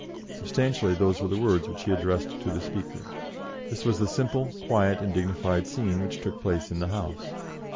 Substantially those were the words which he addressed to the Speaker." This was the simple, quiet, and dignified scene which took place in the House.